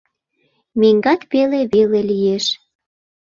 Меҥгат пеле веле лиеш.